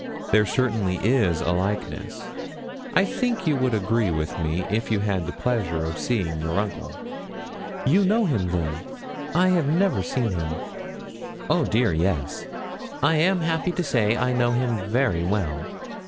There certainly is a likeness. I think you would agree with me, if you had the pleasure of seeing your uncle.' 'You know him, then? I have never seen him.' 'Oh dear, yes I am happy to say, I know him very well.